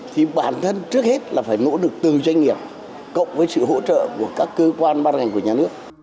thì bản thân trước hết là phải nỗ lực từ doanh nghiệp cộng với sự hỗ trợ của các cơ quan ban hành của nhà nước